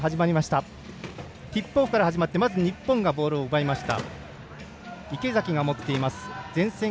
ティップオフから始まって日本がボールを奪いました。